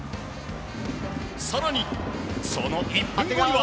更にその１分後には。